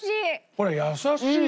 これ優しいよ。